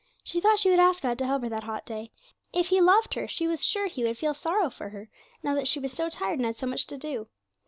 She thought she would ask God to help her that hot day, if He loved her she was sure He would feel sorrow for her, now that she was so tired and had so much to do.